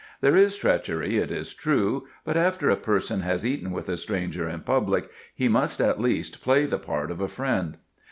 There is treachery, it is true; but after a person has eaten with a stranger in public, he must at least play the part of a friend.